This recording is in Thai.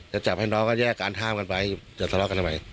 จะจับให้น้องก็แยกกันห้ามกันไปจะทะเลาะกันทำไม